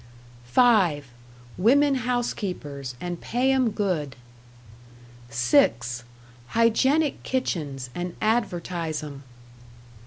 "(5) Women housekeepers and pay 'em good. "(6) Hygienic kitchens and advertise 'em.